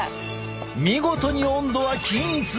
見事に温度は均一！